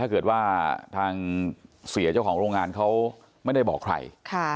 ถ้าเกิดว่าทางเสียเจ้าของโรงงานเขาไม่ได้บอกใคร